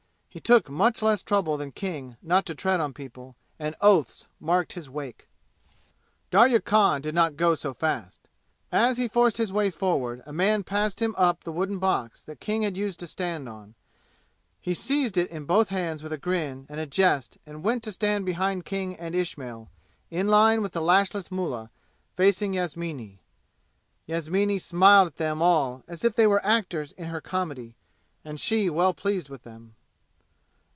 He took much less trouble than King not to tread on people, and oaths' marked his wake. Darya Khan did not go so fast. As he forced his way forward a man passed him up the wooden box that King had used to stand on; he seized it in both hands with a grin and a jest and went to stand behind King and Ismail, in line with the lashless mullah, facing Yasmini. Yasmini smiled at them all as if they were actors in her comedy, and she well pleased with them.